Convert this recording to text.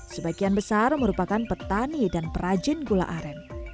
sebagian besar merupakan petani dan perajin gula aren